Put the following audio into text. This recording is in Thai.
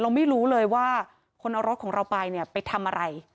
เราไม่รู้เลยว่าคนเอารถของเราไปไปทำอะไร